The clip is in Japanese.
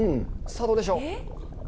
さあどうでしょう。